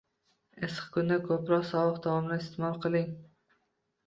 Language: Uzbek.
Issiq kunda ko`proq sovuq taomlar iste`mol qiling